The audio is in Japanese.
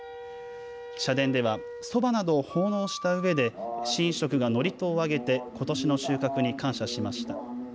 社殿では、そばなどを奉納したうえで神職が祝詞を上げてことしの収穫に感謝しました。